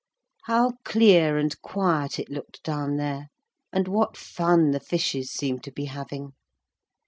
How clear and quiet it looked down there, and what fun the fishes seemed to be having.